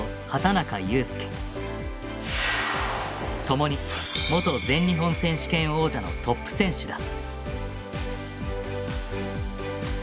共に元全日本選手権王者のトップ選手だ。